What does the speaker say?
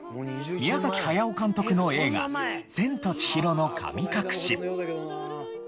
宮崎駿監督の映画『千と千尋の神隠し』。